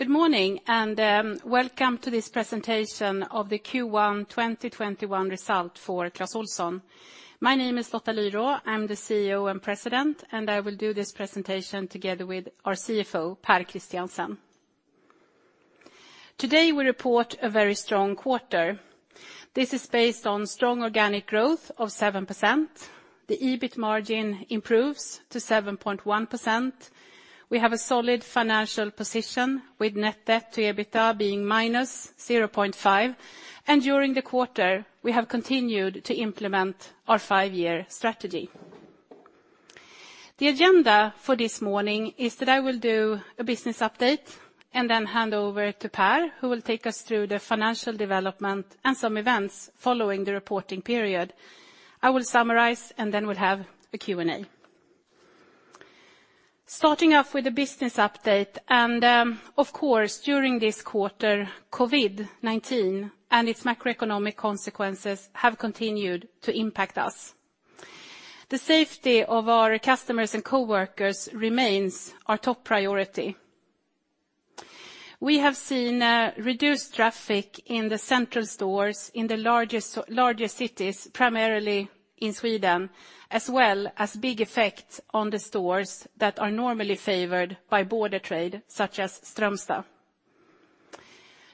Good morning, welcome to this presentation of the Q1 2021 result for Clas Ohlson. My name is Lotta Lyrå. I'm the CEO and President, and I will do this presentation together with our CFO, Pär Christiansen. Today we report a very strong quarter. This is based on strong organic growth of 7%. The EBIT margin improves to 7.1%. We have a solid financial position with net debt to EBITDA being -0.5 million. During the quarter, we have continued to implement our five-year strategy. The agenda for this morning is that I will do a business update and then hand over to Pär, who will take us through the financial development and some events following the reporting period. I will summarize, and then we'll have a Q&A. Starting off with the business update, of course, during this quarter, COVID-19 and its macroeconomic consequences have continued to impact us. The safety of our customers and coworkers remains our top priority. We have seen reduced traffic in the central stores in the largest cities, primarily in Sweden, as well as big effects on the stores that are normally favored by border trade, such as Strömstad.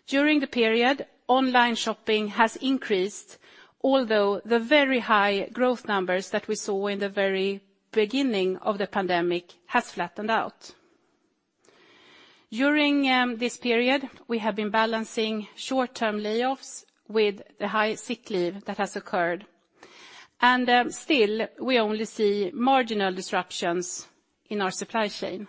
During the period, online shopping has increased, although the very high growth numbers that we saw in the very beginning of the pandemic has flattened out. During this period, we have been balancing short-term layoffs with the high sick leave that has occurred, still, we only see marginal disruptions in our supply chain.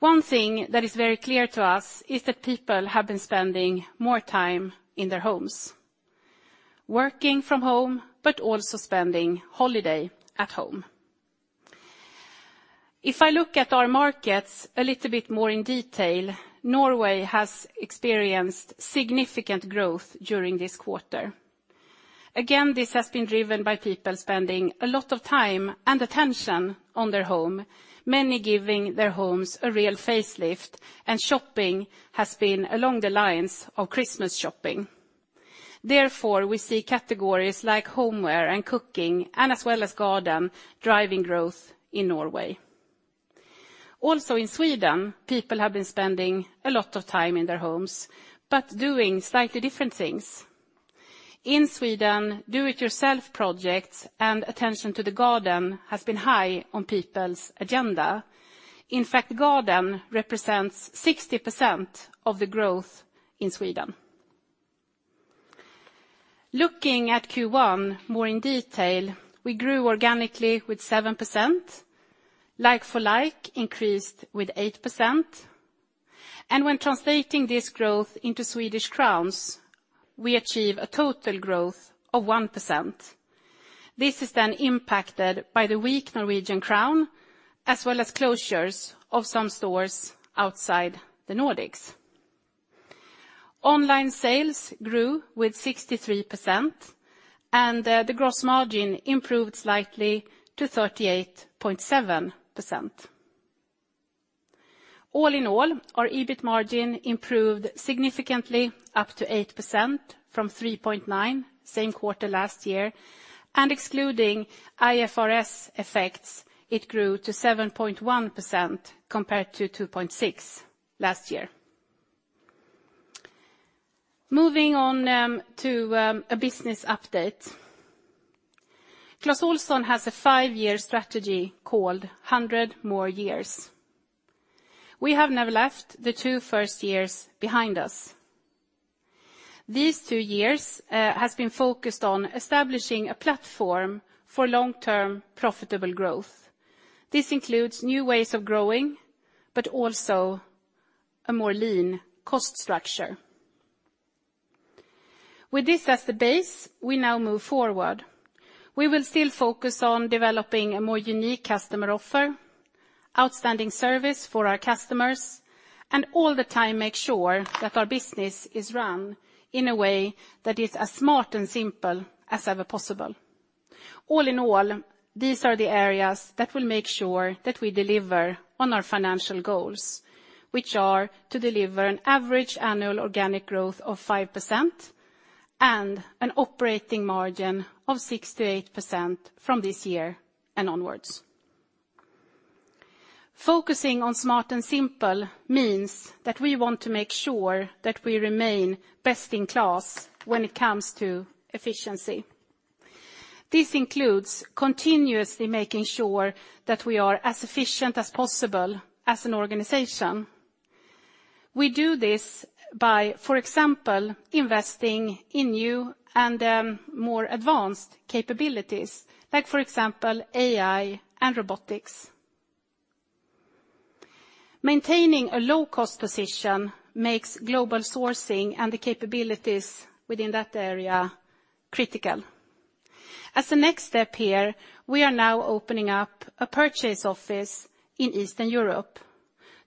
One thing that is very clear to us is that people have been spending more time in their homes, working from home, but also spending holiday at home. If I look at our markets a little bit more in detail, Norway has experienced significant growth during this quarter. Again, this has been driven by people spending a lot of time and attention on their home, many giving their homes a real facelift, and shopping has been along the lines of Christmas shopping. Therefore, we see categories like Homeware and Cooking, and as well as Garden driving growth in Norway. In Sweden, people have been spending a lot of time in their homes, but doing slightly different things. In Sweden, do it yourself projects and attention to the garden has been high on people's agenda. In fact, garden represents 60% of the growth in Sweden. Looking at Q1 more in detail, we grew organically with 7%. Like-for-like increased with 8%. When translating this growth into Swedish krona, we achieve a total growth of 1%. This is impacted by the weak Norwegian krone, as well as closures of some stores outside the Nordics. Online sales grew with 63%, the gross margin improved slightly to 38.7%. All in all, our EBIT margin improved significantly up to 8% from 3.9% same quarter last year. Excluding IFRS effects, it grew to 7.1% compared to 2.6% last year. Moving on to a business update. Clas Ohlson has a five-year strategy called 100 more years. We have now left the two first years behind us. These two years has been focused on establishing a platform for long-term profitable growth. This includes new ways of growing, but also a more lean cost structure. With this as the base, we now move forward. We will still focus on developing a more unique customer offer, outstanding service for our customers, and all the time make sure that our business is run in a way that is as smart and simple as ever possible. All in all, these are the areas that will make sure that we deliver on our financial goals, which are to deliver an average annual organic growth of 5% and an operating margin of 6%-8% from this year and onwards. Focusing on smart and simple means that we want to make sure that we remain best in class when it comes to efficiency. This includes continuously making sure that we are as efficient as possible as an organization. We do this by, for example, investing in new and more advanced capabilities, like, for example, AI and robotics. Maintaining a low cost position makes global sourcing and the capabilities within that area critical. As a next step here, we are now opening up a purchase office in Eastern Europe.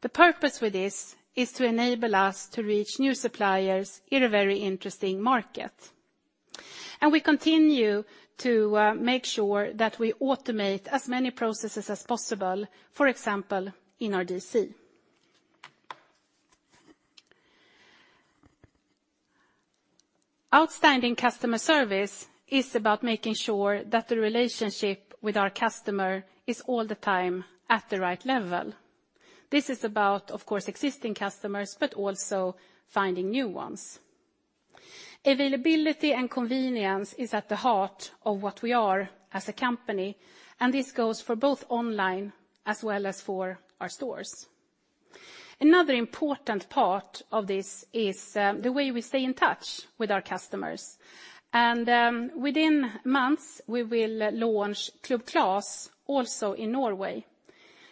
The purpose with this is to enable us to reach new suppliers in a very interesting market. We continue to make sure that we automate as many processes as possible, for example, Insjön DC. Outstanding customer service is about making sure that the relationship with our customer is all the time at the right level. This is about, of course, existing customers, but also finding new ones. Availability and convenience is at the heart of what we are as a company, and this goes for both online as well as for our stores. Another important part of this is the way we stay in touch with our customers. Within months, we will launch Club Clas also in Norway.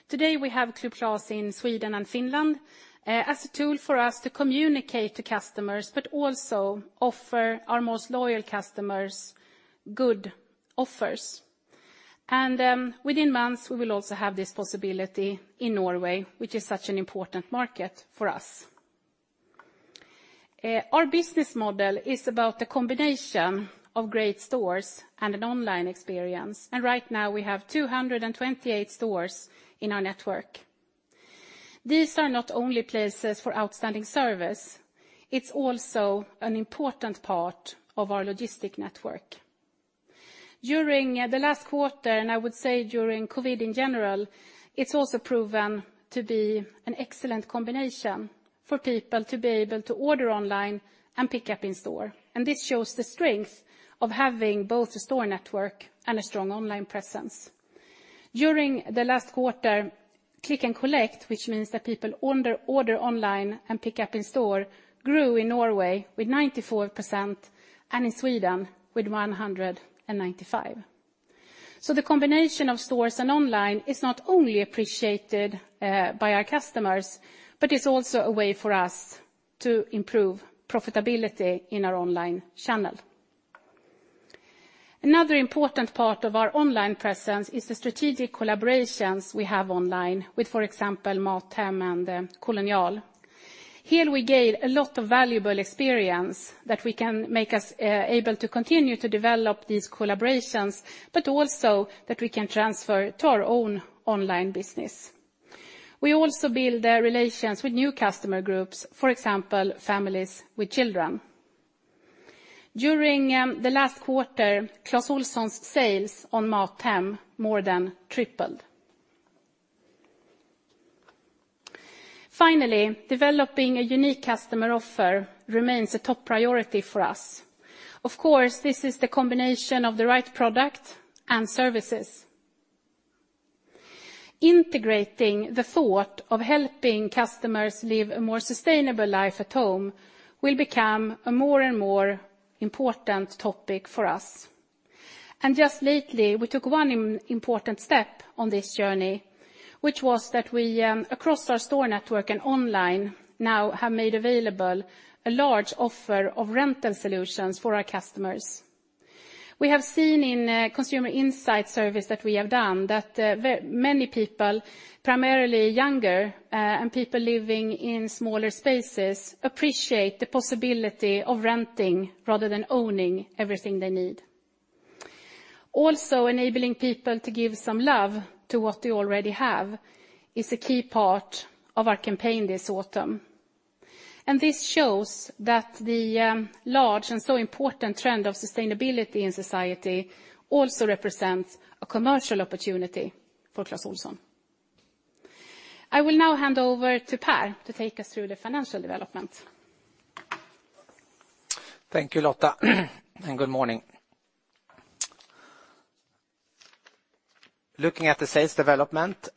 Today, we have Club Clas in Sweden and Finland as a tool for us to communicate to customers, but also offer our most loyal customers good offers. Within months, we will also have this possibility in Norway, which is such an important market for us. Our business model is about the combination of great stores and an online experience, and right now we have 228 stores in our network. These are not only places for outstanding service, it's also an important part of our logistic network. During the last quarter, and I would say during COVID in general, it's also proven to be an excellent combination for people to be able to order online and pick up in store, and this shows the strength of having both a store network and a strong online presence. During the last quarter, Click & Collect, which means that people order online and pick up in store, grew in Norway with 94%, and in Sweden with 195%. The combination of stores and online is not only appreciated by our customers, but it's also a way for us to improve profitability in our online channel. Another important part of our online presence is the strategic collaborations we have online with, for example, Mathem and Oda. Here we gain a lot of valuable experience that we can make us able to continue to develop these collaborations, but also that we can transfer to our own online business. We also build relations with new customer groups, for example, families with children. During the last quarter, Clas Ohlson's sales on Mathem more than tripled. Finally, developing a unique customer offer remains a top priority for us. Of course, this is the combination of the right product and services. Integrating the thought of helping customers live a more sustainable life at home will become a more and more important topic for us. Just lately, we took one important step on this journey, which was that we across our store network and online now have made available a large offer of rental solutions for our customers. We have seen in consumer insight service that we have done that many people, primarily younger, and people living in smaller spaces, appreciate the possibility of renting rather than owning everything they need. Also, enabling people to give some love to what they already have is a key part of our campaign this autumn. This shows that the large and so important trend of sustainability in society also represents a commercial opportunity for Clas Ohlson. I will now hand over to Pär to take us through the financial development. Thank you, Lotta. Good morning. Looking at the sales development,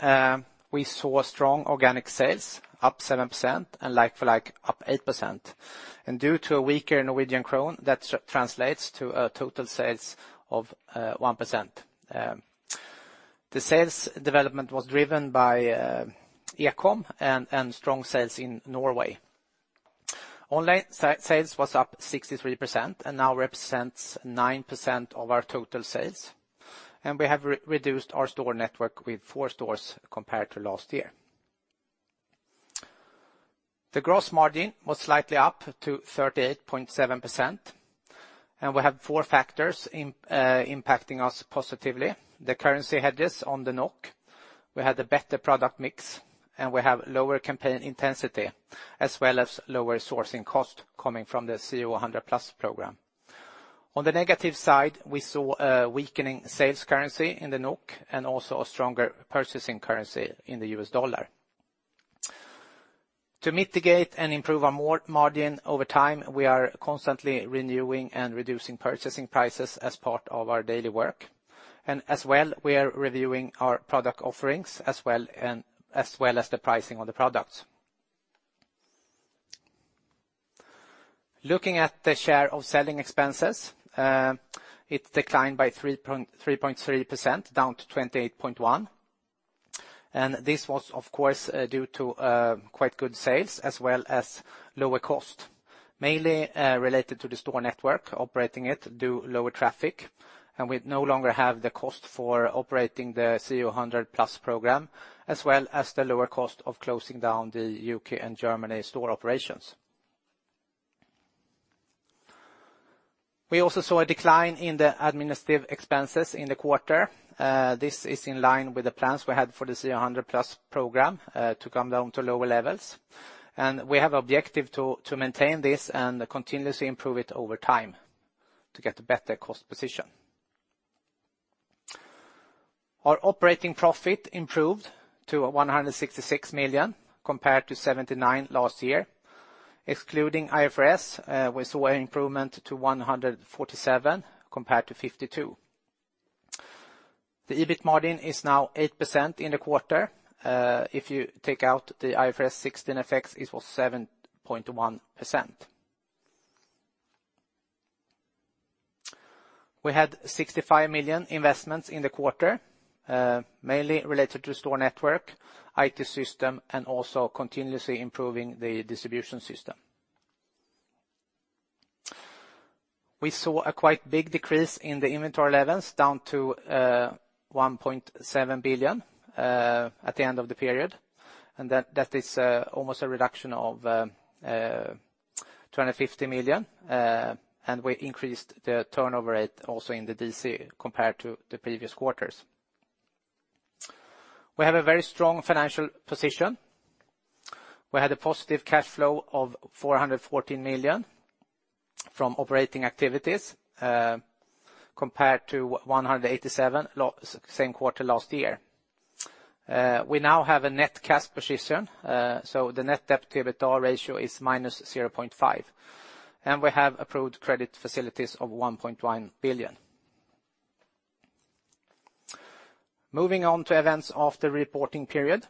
we saw strong organic sales up 7% and like-for-like up 8%. Due to a weaker Norwegian krone, that translates to total sales of 1%. The sales development was driven by e-com and strong sales in Norway. Online sales was up 63% and now represents 9% of our total sales. We have reduced our store network with four stores compared to last year. The gross margin was slightly up to 38.7%, and we have four factors impacting us positively. The currency hedges on the NOK. We had a better product mix, and we have lower campaign intensity, as well as lower sourcing cost coming from the CO100+ program. On the negative side, we saw a weakening sales currency in the NOK and also a stronger purchasing currency in the US dollar. To mitigate and improve our margin over time, we are constantly renewing and reducing purchasing prices as part of our daily work. As well, we are reviewing our product offerings as well, and as well as the pricing on the products. Looking at the share of selling expenses, it declined by 3.3% down to 28.1%. This was, of course, due to quite good sales as well as lower cost, mainly related to the store network, operating it due lower traffic. We no longer have the cost for operating the CO100+ program, as well as the lower cost of closing down the U.K. and Germany store operations. We also saw a decline in the administrative expenses in the quarter. This is in line with the plans we had for the CO100+ program to come down to lower levels. We have objective to maintain this and continuously improve it over time to get a better cost position. Our operating profit improved to 166 million compared to 79 million last year. Excluding IFRS, we saw an improvement to 147 million compared to 52 million. The EBIT margin is now 8% in the quarter. If you take out the IFRS 16 effects, it was 7.1%. We had 65 million investments in the quarter, mainly related to store network, IT system, and also continuously improving the distribution system. We saw a quite big decrease in the inventory levels down to 1.7 billion at the end of the period. That, that is almost a reduction of 250 million. We increased the turnover rate also in the DC compared to the previous quarters. We have a very strong financial position. We had a positive cash flow of 414 million from operating activities compared to 187 million same quarter last year. We now have a net cash position, the net debt to EBITDA ratio is -0.5%, we have approved credit facilities of 1.1 billion. Moving on to events after reporting period.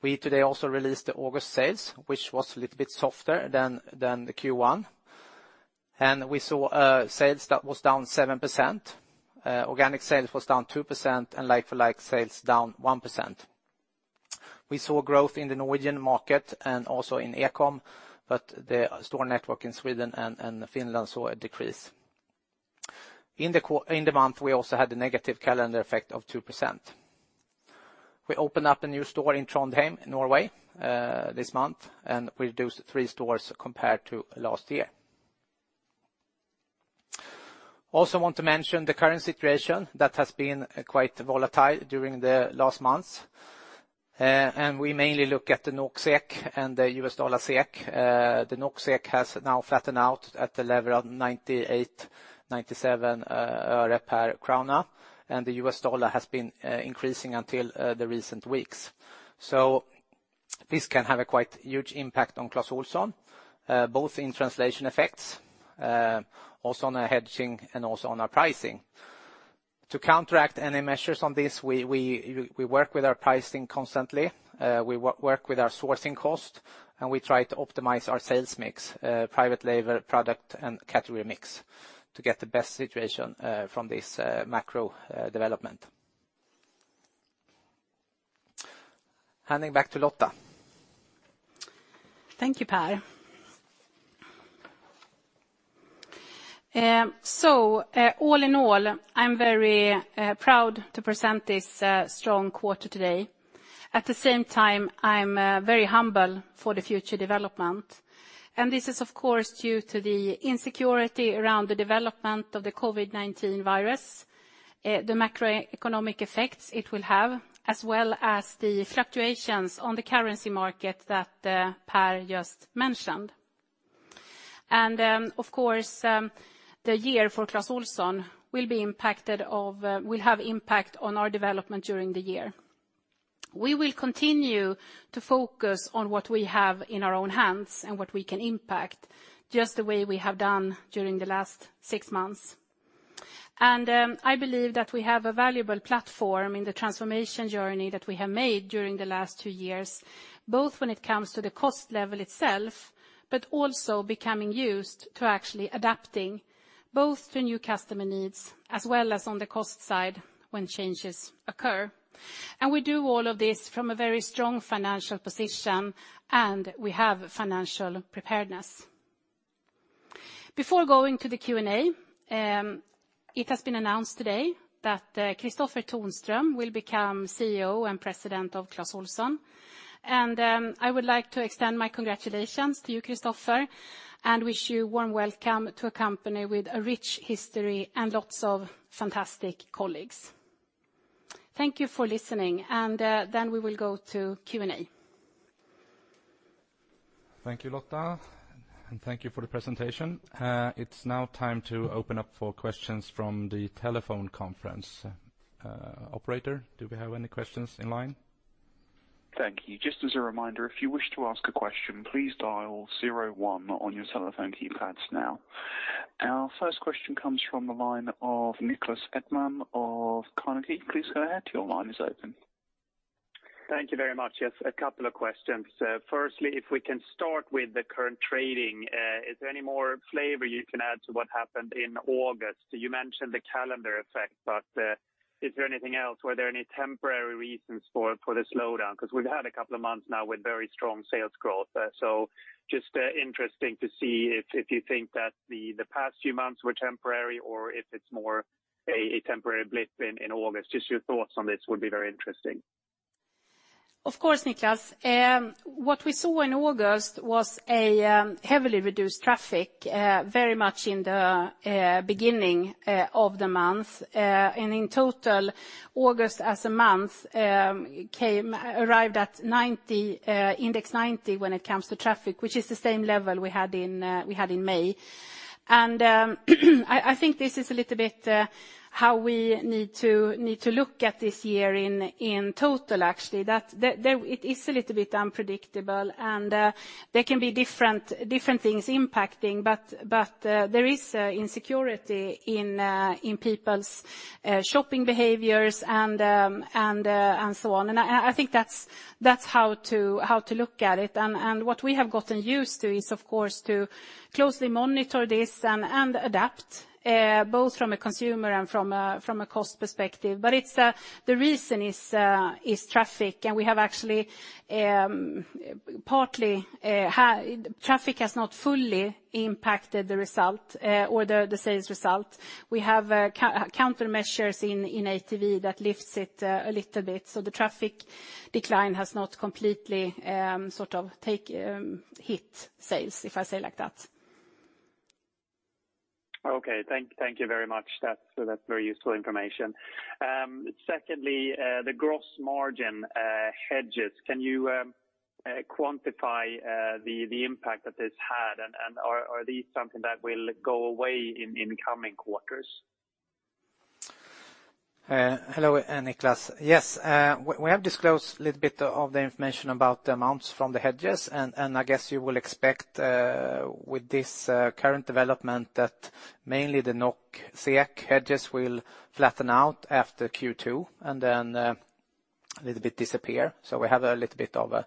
We today also released the August sales, which was a little bit softer than the Q1. We saw sales that was down 7%. Organic sales was down 2% and like-for-like sales down 1%. We saw growth in the Norwegian market and also in e-com, but the store network in Sweden and Finland saw a decrease. In the month, we also had a negative calendar effect of 2%. We opened up a new store in Trondheim, Norway, this month, and we reduced three stores compared to last year. Also want to mention the current situation that has been quite volatile during the last months. We mainly look at the NOK/SEK and the US dollar/SEK. The NOK/SEK has now flattened out at the level of 98/97 øre per krone, the US dollar has been increasing until the recent weeks. This can have a quite huge impact on Clas Ohlson, both in translation effects, also on our hedging and also on our pricing. To counteract any measures on this, we work with our pricing constantly, we work with our sourcing cost, and we try to optimize our sales mix, private label, product, and category mix to get the best situation, from this macro development. Handing back to Lotta. Thank you, Pär. All in all, I'm very proud to present this strong quarter today. At the same time, I'm very humble for the future development. This is of course due to the insecurity around the development of the COVID-19 virus, the macroeconomic effects it will have, as well as the fluctuations on the currency market that Pär just mentioned. Of course, the year for Clas Ohlson will have impact on our development during the year. We will continue to focus on what we have in our own hands and what we can impact just the way we have done during the last six months. I believe that we have a valuable platform in the transformation journey that we have made during the last two years, both when it comes to the cost level itself, but also becoming used to actually adapting both to new customer needs as well as on the cost side when changes occur. We do all of this from a very strong financial position, and we have financial preparedness. Before going to the Q&A, it has been announced today that Kristofer Tonström will become CEO and President of Clas Ohlson. I would like to extend my congratulations to you, Kristofer, and wish you warm welcome to a company with a rich history and lots of fantastic colleagues. Thank you for listening. We will go to Q&A. Thank you, Lotta, and thank you for the presentation. It's now time to open up for questions from the telephone conference. Operator, do we have any questions in line? Thank you. Just as a reminder, if you wish to ask a question, please dial zero one on your telephone keypads now. Our first question comes from the line of Niklas Edman of Carnegie. Please go ahead, your line is open. Thank you very much. Yes, a couple of questions. Firstly, if we can start with the current trading, is there any more flavor you can add to what happened in August? You mentioned the calendar effect. Is there anything else? Were there any temporary reasons for the slowdown? Because we've had a couple of months now with very strong sales growth. Just, interesting to see if you think that the past few months were temporary, or if it's more a temporary blip in August. Just your thoughts on this would be very interesting. Of course, Niklas. What we saw in August was a heavily reduced traffic, very much in the beginning of the month. In total, August as a month arrived at 90, index 90 when it comes to traffic, which is the same level we had in May. I think this is a little bit how we need to look at this year in total actually, that it is a little bit unpredictable and there can be different things impacting. But there is insecurity in people's shopping behaviors and so on. I think that's how to look at it. What we have gotten used to is, of course, to closely monitor this and adapt, both from a consumer and from a cost perspective. It's the reason is traffic, and we have actually partly traffic has not fully impacted the result or the sales result. We have countermeasures in ATV that lifts it a little bit, so the traffic decline has not completely sort of take hit sales, if I say like that. Okay. Thank you very much. That's very useful information. Secondly, the gross margin hedges, can you quantify the impact that this had? Are these something that will go away in coming quarters? Hello, Niklas. Yes, we have disclosed a little bit of the information about the amounts from the hedges. I guess you will expect with this current development that mainly the NOK/SEK hedges will flatten out after Q2, then a little bit disappear. We have a little bit of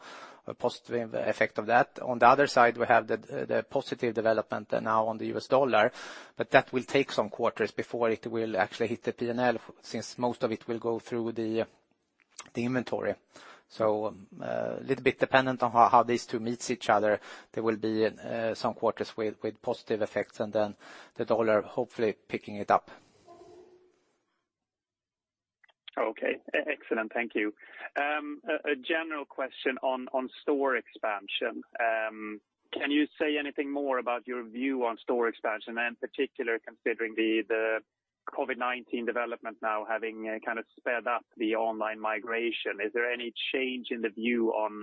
a positive effect of that. On the other side, we have the positive development now on the US dollar, but that will take some quarters before it will actually hit the P&L, since most of it will go through the inventory. A little bit dependent on how these two meets each other. There will be some quarters with positive effects and then the US dollar hopefully picking it up. Excellent. Thank you. A general question on store expansion. Can you say anything more about your view on store expansion, and in particular considering the COVID-19 development now having kind of sped up the online migration? Is there any change in the view on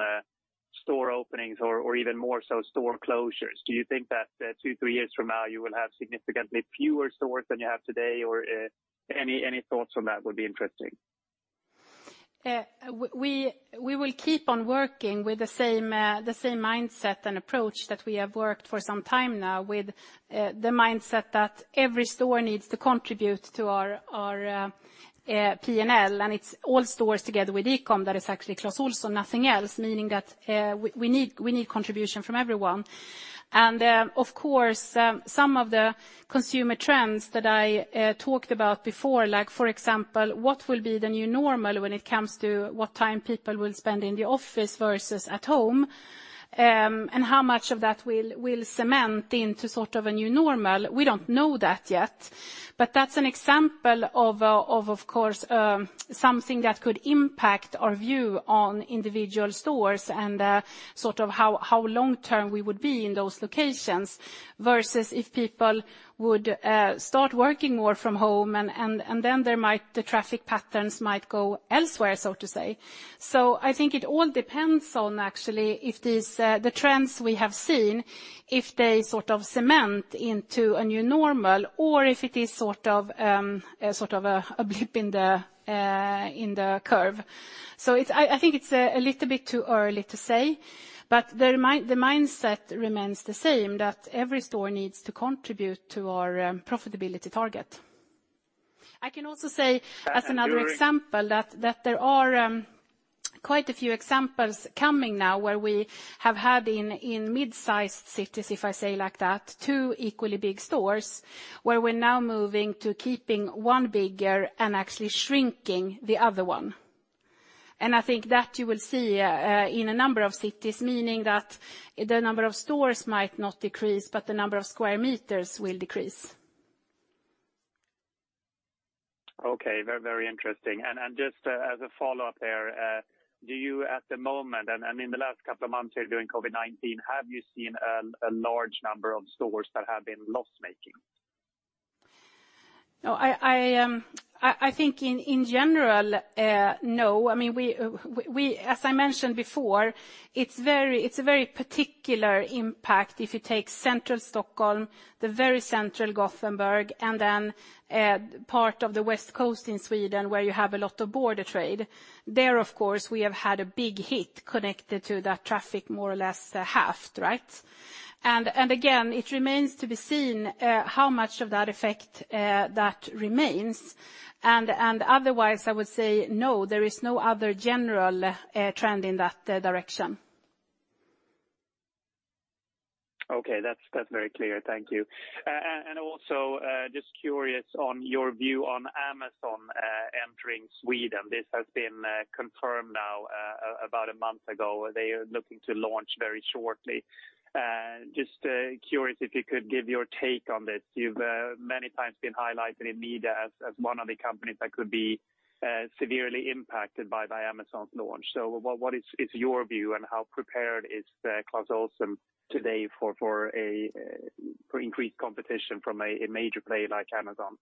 store openings or even more so store closures? Do you think that two, three years from now you will have significantly fewer stores than you have today or any thoughts on that would be interesting. We will keep on working with the same mindset and approach that we have worked for some time now with the mindset that every store needs to contribute to our P&L, and it's all stores together with e-com that is actually Clas Ohlson, nothing else, meaning that we need contribution from everyone. Of course, some of the consumer trends that I talked about before, like for example, what will be the new normal when it comes to what time people will spend in the office versus at home, and how much of that will cement into sort of a new normal, we don't know that yet. That's an example of course, something that could impact our view on individual stores and sort of how long-term we would be in those locations versus if people would start working more from home and then the traffic patterns might go elsewhere, so to say. I think it all depends on actually if these trends we have seen, if they sort of cement into a new normal or if it is sort of a blip in the curve. I think it's a little bit too early to say, but the mindset remains the same, that every store needs to contribute to our profitability target. I can also say as another example that there are quite a few examples coming now where we have had in mid-sized cities, if I say like that, two equally big stores where we're now moving to keeping one bigger and actually shrinking the other one. I think that you will see in a number of cities, meaning that the number of stores might not decrease, but the number of square meters will decrease. Okay. Very, very interesting. Just as a follow-up there, do you at the moment, and in the last couple of months here during COVID-19, have you seen a large number of stores that have been loss-making? No, I think in general, no. I mean, we, as I mentioned before, it's very, it's a very particular impact if you take central Stockholm, the very central Gothenburg, and then, part of the west coast in Sweden where you have a lot of border trade. There, of course, we have had a big hit connected to that traffic more or less halved, right? Again, it remains to be seen, how much of that effect, that remains. Otherwise, I would say, no, there is no other general, trend in that direction. Okay, that's very clear. Thank you. And also, just curious on your view on Amazon entering Sweden. This has been confirmed now, about a month ago, where they are looking to launch very shortly. Just curious if you could give your take on this. You've many times been highlighted in media as one of the companies that could be severely impacted by Amazon's launch. What is your view, and how prepared is Clas Ohlson today for increased competition from a major player like Amazon?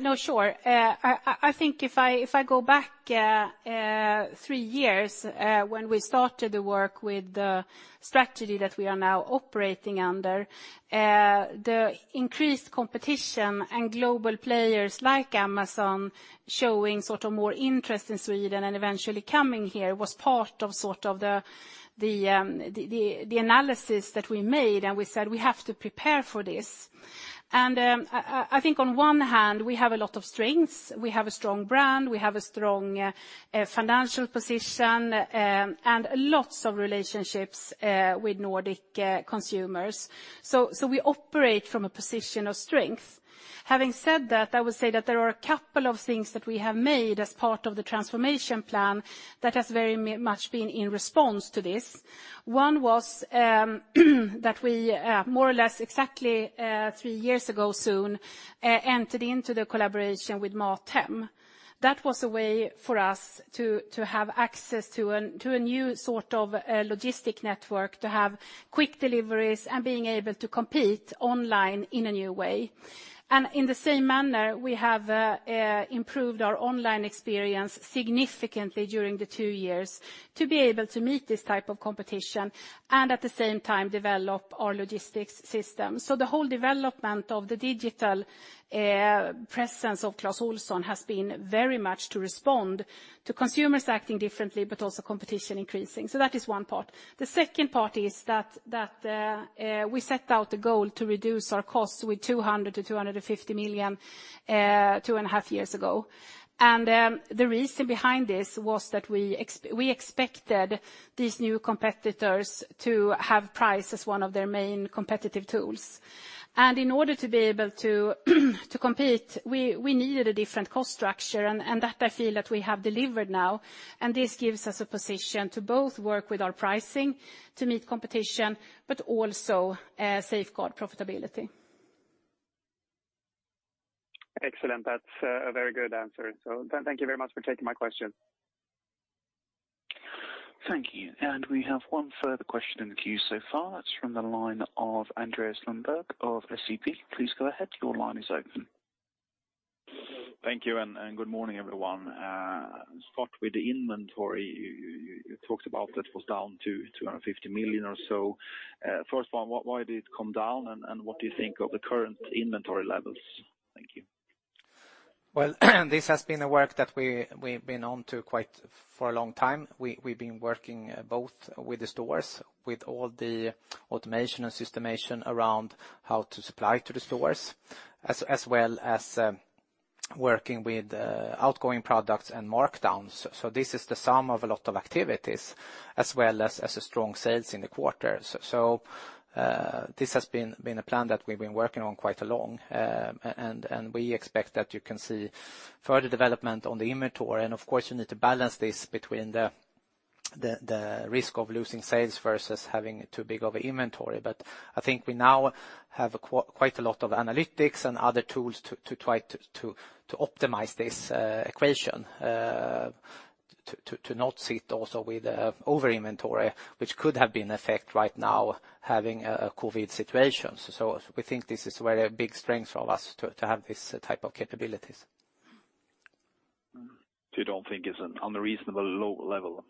No, sure. I think if I go back three years, when we started the work with the strategy that we are now operating under, the increased competition and global players like Amazon showing sort of more interest in Sweden and eventually coming here was part of sort of the analysis that we made, and we said we have to prepare for this. I think on one hand, we have a lot of strengths. We have a strong brand, we have a strong financial position, and lots of relationships with Nordic consumers. We operate from a position of strength. Having said that, I would say that there are a couple of things that we have made as part of the transformation plan that has very much been in response to this. One was that we more or less exactly three years ago soon entered into the collaboration with Mathem. That was a way for us to have access to a new sort of logistic network, to have quick deliveries and being able to compete online in a new way. In the same manner, we have improved our online experience significantly during the two years to be able to meet this type of competition and at the same time develop our logistics system. The whole development of the digital presence of Clas Ohlson has been very much to respond to consumers acting differently, but also competition increasing. That is one part. The second part is that we set out a goal to reduce our costs with 200 million-250 million 2.5 years ago. The reason behind this was that we expected these new competitors to have price as one of their main competitive tools. In order to be able to compete, we needed a different cost structure. That I feel that we have delivered now, and this gives us a position to both work with our pricing to meet competition, but also safeguard profitability. Excellent. That's a very good answer. Thank you very much for taking my question. Thank you. We have one further question in the queue so far. It's from the line of Andreas Lundberg of SEB. Please go ahead. Your line is open. Thank you, and good morning, everyone. Start with the inventory you talked about that was down to 250 million or so. First one, why did it come down, and what do you think of the current inventory levels? Thank you. This has been a work that we've been on to quite for a long time. We've been working both with the stores, with all the automation and systemation around how to supply to the stores, as well as working with outgoing products and markdowns. This is the sum of a lot of activities as well as strong sales in the quarter. This has been a plan that we've been working on quite a long, and we expect that you can see further development on the inventory. Of course, you need to balance this between the risk of losing sales versus having too big of inventory. I think we now have quite a lot of analytics and other tools to try to optimize this equation to not sit also with over-inventory, which could have been effect right now having a COVID situation. We think this is where a big strength for us to have this type of capabilities. You don't think it's an unreasonably low level?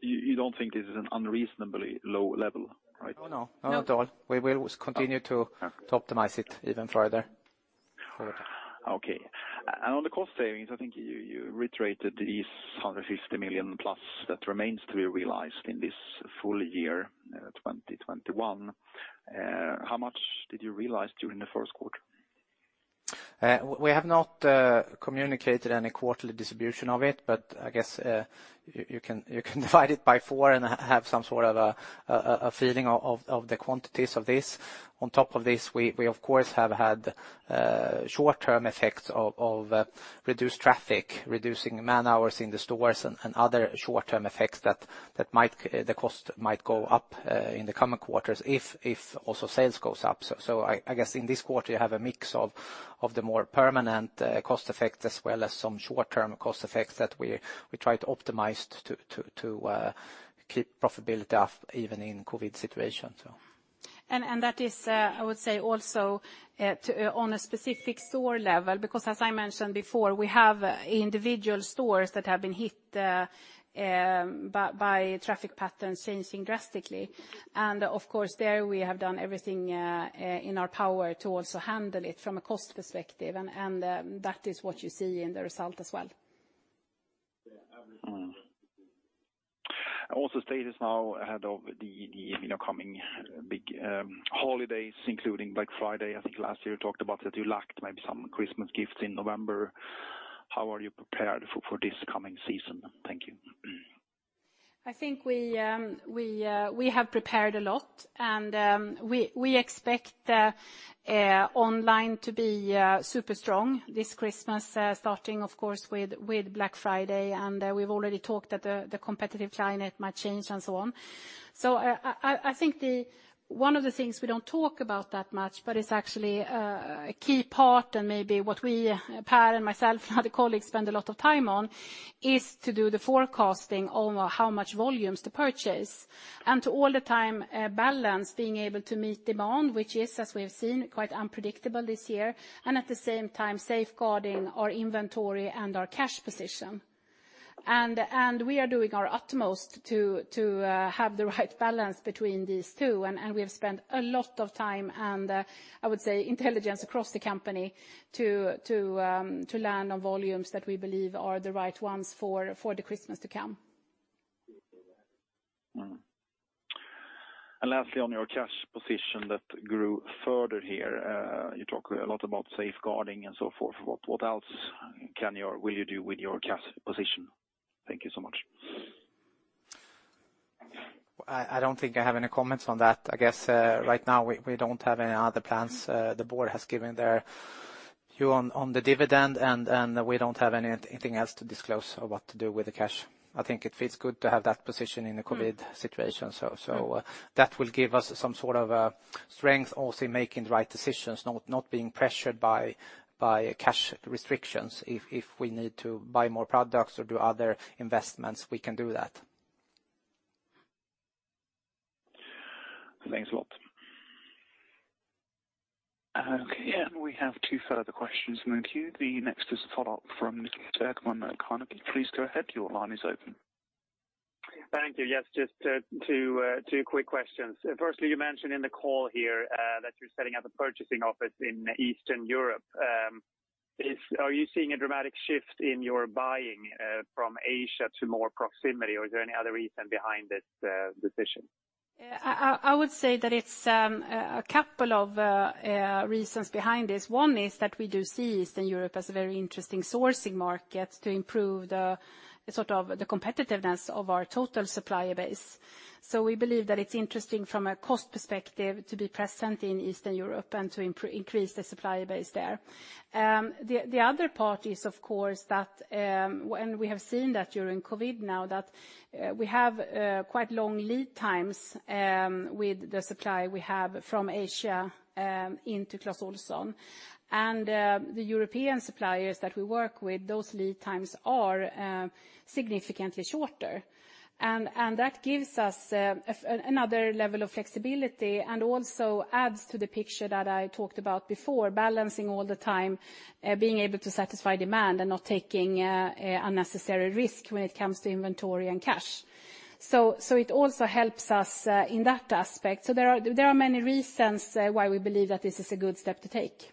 You don't think this is an unreasonably low level, right? Oh, no. Not at all. We will continue to optimize it even further. Okay. On the cost savings, I think you reiterated these 150 million+ that remains to be realized in this full year 2021. How much did you realize during the first quarter? We have not communicated any quarterly distribution of it, I guess, you can divide it by four and have some sort of a feeling of the quantities of this. On top of this, we of course have had short-term effects of reduced traffic, reducing man-hours in the stores and other short-term effects that might, the cost might go up in the coming quarters if also sales goes up. I guess in this quarter, you have a mix of the more permanent cost effects as well as some short-term cost effects that we try to optimize to keep profitability up even in COVID situation, so. That is, I would say also, to, on a specific store level, because as I mentioned before, we have individual stores that have been hit by traffic patterns changing drastically. Of course, there we have done everything in our power to also handle it from a cost perspective, that is what you see in the result as well. Mm-hmm. Also status now ahead of the, you know, coming big holidays, including Black Friday. I think last year you talked about that you lacked maybe some Christmas gifts in November. How are you prepared for this coming season? Thank you. I think we have prepared a lot and we expect online to be super strong this Christmas, starting of course with Black Friday and we've already talked that the competitive climate might change and so on. So, I think, one of the things we don't talk about that much, but it's actually a key part and maybe what we, Pär and myself and other colleagues spend a lot of time on, is to do the forecasting on how much volumes to purchase and to all the time balance being able to meet demand, which is, as we have seen, quite unpredictable this year, and at the same time safeguarding our inventory and our cash position. We are doing our utmost to have the right balance between these two and we have spent a lot of time and I would say, intelligence across the company to land on volumes that we believe are the right ones for the Christmas to come. Lastly, on your cash position that grew further here, you talk a lot about safeguarding and so forth. What else can you or will you do with your cash position? Thank you so much. I don't think I have any comments on that. I guess, right now we don't have any other plans. The board has given their view on the dividend and we don't have anything else to disclose or what to do with the cash. I think it feels good to have that position in a COVID situation. That will give us some sort of strength also in making the right decisions, not being pressured by cash restrictions. If we need to buy more products or do other investments, we can do that. Thanks a lot. Okay. We have two further questions in the queue. The next is a follow-up from Niklas Edman at Carnegie. Please go ahead, your line is open. Thank you. Yes, just two quick questions. Firstly, you mentioned in the call here that you're setting up a purchasing office in Eastern Europe. Are you seeing a dramatic shift in your buying from Asia to more proximity, or is there any other reason behind this decision? I would say that it's a couple of reasons behind this. One is that we do see Eastern Europe as a very interesting sourcing market to improve the, sort of the competitiveness of our total supplier base. We believe that it's interesting from a cost perspective to be present in Eastern Europe and to increase the supplier base there. The other part is, of course, that, and we have seen that during COVID now, that we have quite long lead times with the supply we have from Asia into Clas Ohlson. The European suppliers that we work with, those lead times are significantly shorter. That gives us another level of flexibility and also adds to the picture that I talked about before, balancing all the time, being able to satisfy demand and not taking unnecessary risk when it comes to inventory and cash. It also helps us in that aspect. There are many reasons why we believe that this is a good step to take.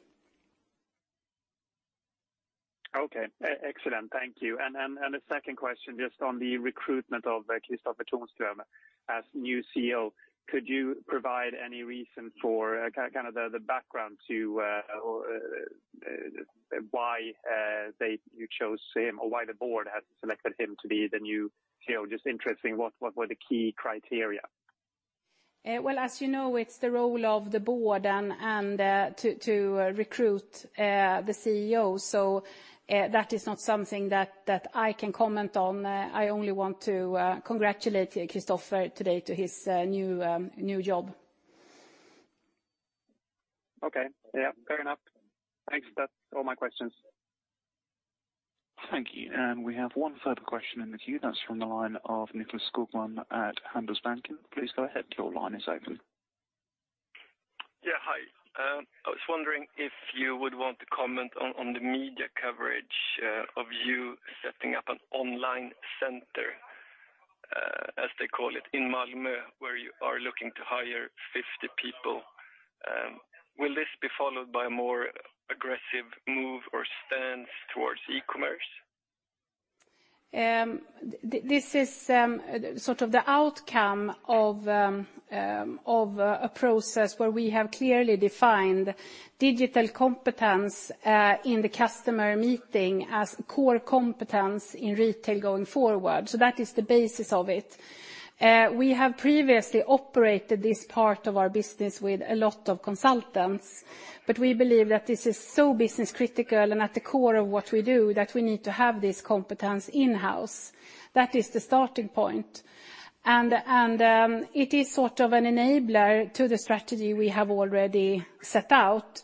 Okay. Excellent. Thank you. And a second question just on the recruitment of Kristofer Tonström as new CEO. Could you provide any reason for kind of the background to or why you chose him or why the board has selected him to be the new CEO? Just interesting, what were the key criteria? Well, as you know, it's the role of the board and to recruit the CEO. That is not something that I can comment on. I only want to congratulate Kristofer today to his new job. Okay. Yeah, fair enough. Thanks. That's all my questions. Thank you. We have one further question in the queue, that's from the line of Nicklas Skogman at Handelsbanken. Please go ahead, your line is open. Yeah. Hi. I was wondering if you would want to comment on the media coverage of you setting up an online center, as they call it, in Malmö, where you are looking to hire 50 people. Will this be followed by a more aggressive move or stance towards e-commerce? This is sort of the outcome of a process where we have clearly defined digital competence in the customer meeting as core competence in retail going forward. That is the basis of it. We have previously operated this part of our business with a lot of consultants, but we believe that this is so business critical and at the core of what we do that we need to have this competence in-house. That is the starting point. It is sort of an enabler to the strategy we have already set out,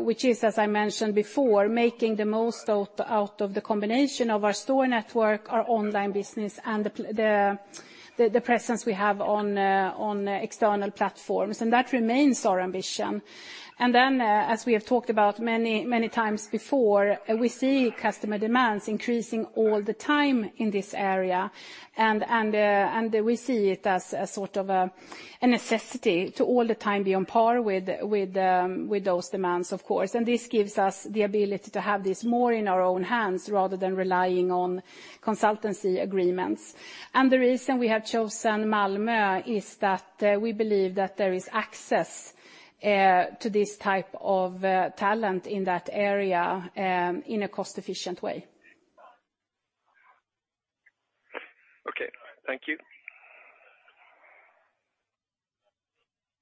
which is, as I mentioned before, making the most out of the combination of our store network, our online business, and the presence we have on external platforms. That remains our ambition. As we have talked about many times before, we see customer demands increasing all the time in this area and we see it as a sort of a necessity to all the time be on par with those demands, of course. This gives us the ability to have this more in our own hands rather than relying on consultancy agreements. The reason we have chosen Malmö is that we believe that there is access to this type of talent in that area in a cost-efficient way. Okay. Thank you.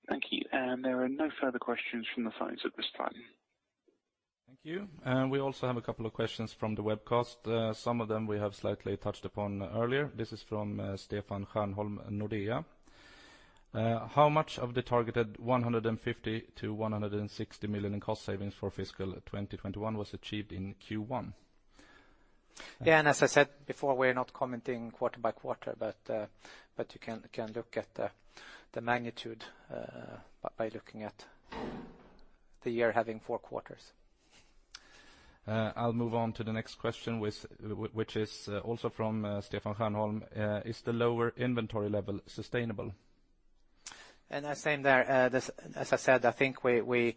Thank you. There are no further questions from the phones at this time. Thank you. We also have a couple of questions from the webcast. Some of them we have slightly touched upon earlier. This is from Stefan Stjernholm, Nordea. How much of the targeted 150 million-160 million in cost savings for fiscal 2021 was achieved in Q1? Yeah, as I said before, we're not commenting quarter by quarter, but you can look at the magnitude, by looking at the year having four quarters. I'll move on to the next question which is also from Stefan Stjernholm. Is the lower inventory level sustainable? Same there, as I said, I think we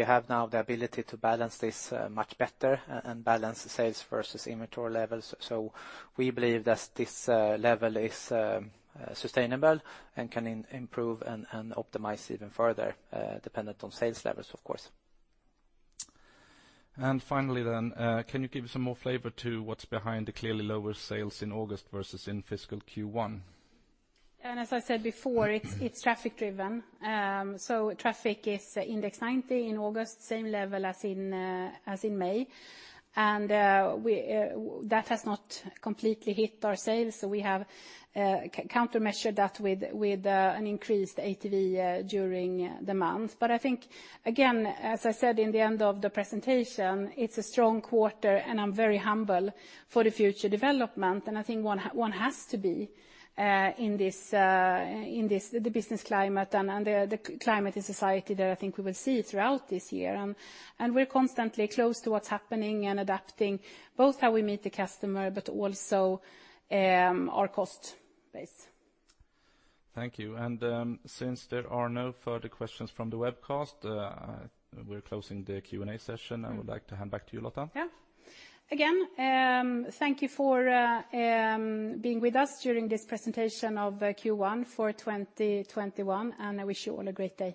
have now the ability to balance this much better and balance the sales versus inventory levels. We believe that this level is sustainable and can improve and optimize even further, dependent on sales levels, of course. Finally, can you give some more flavor to what's behind the clearly lower sales in August versus in fiscal Q1? As I said before, it's traffic driven. Traffic is index 90 in August, same level as in May. That has not completely hit our sales, so we have countermeasured that with an increased ATV during the month. I think, again, as I said in the end of the presentation, it's a strong quarter and I'm very humble for the future development. I think one has to be in this, the business climate and the climate and society that I think we will see throughout this year. We're constantly close to what's happening and adapting both how we meet the customer but also our cost base. Thank you. Since there are no further questions from the webcast, we're closing the Q&A session. I would like to hand back to you, Lotta. Yeah. Again, thank you for being with us during this presentation of Q1 for 2021. I wish you all a great day.